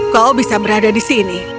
kau bisa berada di sini